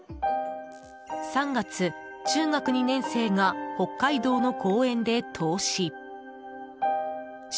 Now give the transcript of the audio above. ３月、中学２年生が北海道の公園で凍死。